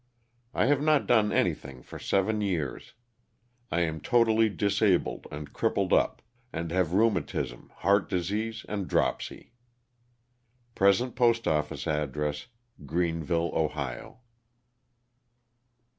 I have not done anything for seven years. I am totally disabled and crippled up, and have rheumatism, heart disease and dropsy. Present post office address, Greenville, Ohio.